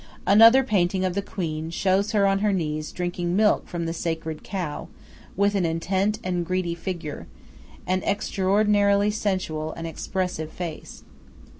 Another painting of the queen shows her on her knees drinking milk from the sacred cow, with an intent and greedy figure, and an extraordinarily sensual and expressive face.